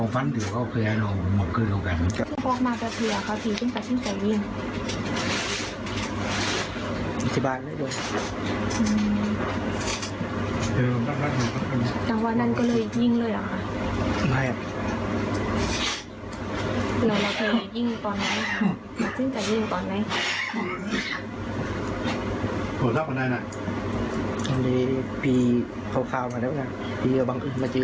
แล้วเธอยิ่งต่อไหนกลับจริงจะยิ่งต่อไหน